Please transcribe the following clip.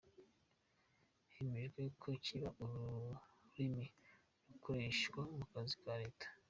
Hemejwe ko kiba n’ururimi rukoreshwa mu kazi ka Leta.